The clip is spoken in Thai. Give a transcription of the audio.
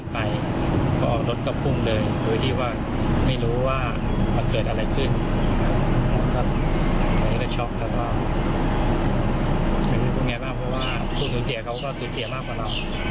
ผมก็ชอบครับว่าคุณสูญเสียเขาก็สูญเสียมากกว่าเรา